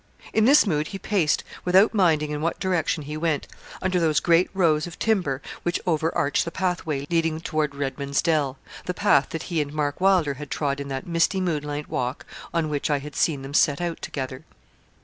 In this mood he paced, without minding in what direction he went, under those great rows of timber which over arch the pathway leading toward Redman's Dell the path that he and Mark Wylder had trod in that misty moonlight walk on which I had seen them set out together.